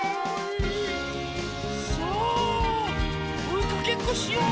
さあおいかけっこしよう！